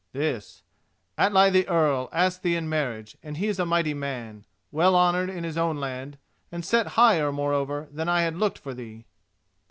"This: Atli the Earl asks thee in marriage, and he is a mighty man, well honoured in his own land, and set higher, moreover, than I had looked for thee."